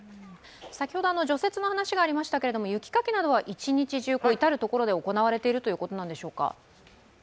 先ほど除雪の話がありましたが、雪かきなどは一日中、至るところで行われているということなんでしょうか？